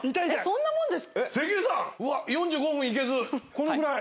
このぐらい。